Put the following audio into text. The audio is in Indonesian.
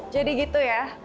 jadi gitu ya